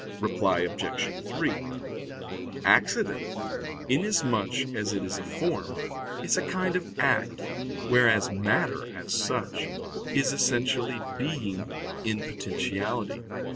Reply Obj. 3: Accident, inasmuch as it is a form, is a kind of act; whereas matter, as such, is essentially being in potentiality.